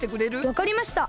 わかりました。